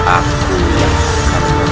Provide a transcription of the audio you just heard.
aku akan menemukanmu